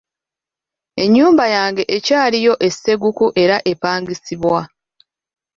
Ennyumba yange ekyaliyo e Sseguku era epangisibwa.